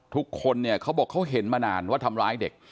ทุกคนเนี่ยเขาบอกเขาเห็นมานานว่าทำร้ายเด็ก